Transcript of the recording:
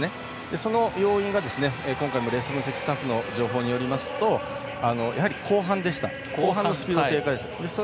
その要因が今回のレース分析スタッフの情報によりますとやはり後半のスピード警戒です。